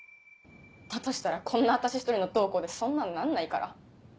だとしたらこんな私一人のどうこうでそんなのなんないから。